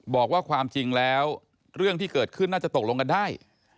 บอกว่าความจริงแล้วเรื่องที่เกิดขึ้นน่าจะตกลงกันได้